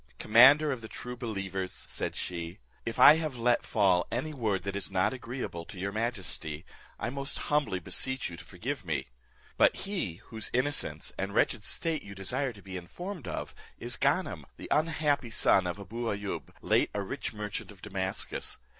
"Commander of the true believers," said she, "if I have let fall any word that is not agreeable to your majesty, I most humbly beseech you to forgive me; but he whose innocence and wretched state you desire to be informed of is Ganem, the unhappy son of Abou Ayoub, late a rich merchant of Damascus.